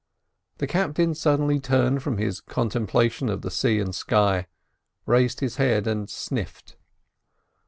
The captain suddenly turned from his contemplation of the sea and sky, raised his head and sniffed.